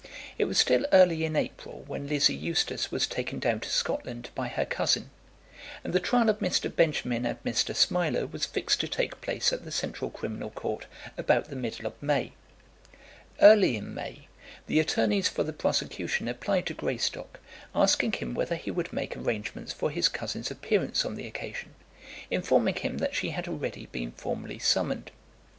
It was still early in April when Lizzie Eustace was taken down to Scotland by her cousin, and the trial of Mr. Benjamin and Mr. Smiler was fixed to take place at the Central Criminal Court about the middle of May. Early in May the attorneys for the prosecution applied to Greystock, asking him whether he would make arrangements for his cousin's appearance on the occasion, informing him that she had already been formally summoned.